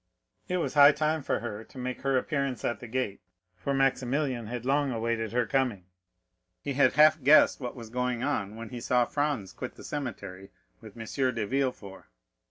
It was high time for her to make her appearance at the gate, for Maximilian had long awaited her coming. He had half guessed what was going on when he saw Franz quit the cemetery with M. de Villefort.